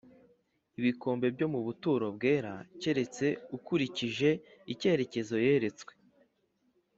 ibikombe byo mu buturo bwera keretse akurikije icyitegererezo yeretswe.